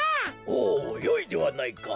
おおよいではないか。